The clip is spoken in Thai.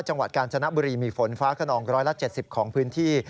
จังหวัดกาญจนบุรีมีฝนฟ้าขนอง๑๗๐ของพื้นที่